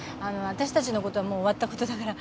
私たちのことはもう終わったことだから。